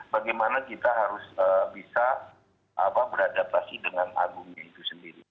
bagaimana kita harus bisa beradaptasi dengan agungnya itu sendiri